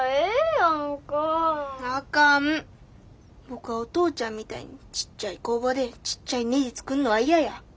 僕はお父ちゃんみたいにちっちゃい工場でちっちゃいねじ作んのは嫌や。